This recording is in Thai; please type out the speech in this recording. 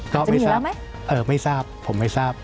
ก็ไม่ทราบไม่ทราบผมไม่ทราบ